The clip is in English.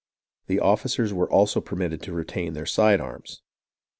The offi cers were also permitted to retain their side arms.